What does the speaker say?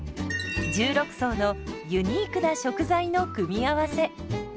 １６層のユニークな食材の組み合わせ。